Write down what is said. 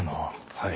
はい。